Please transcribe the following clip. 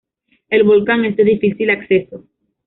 El volcán es de difícil acceso.